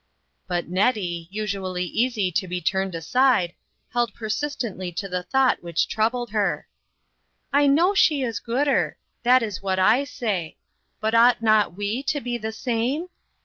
But Nettie, usually easy to be turned aside, held persistently to the thought which troubled her. "I know she is 'gooder,' that is what I say; but ought not we to be the same?